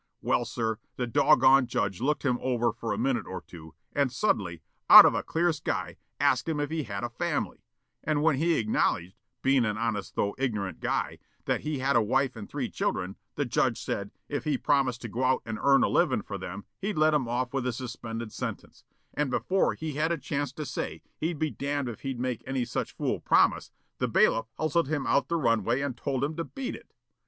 Well, sir, the doggone judge looked him over for a minute or two, and suddenly, out of a clear sky, asked him if he had a family, and when he acknowledged, being an honest though ignorant guy, that he had a wife and three children, the judge said, if he'd promise to go out and earn a livin' for them he'd let him off with a suspended sentence, and before he had a chance to say he'd be damned if he'd make any such fool promise, the bailiff hustled him out the runway and told him to 'beat it'.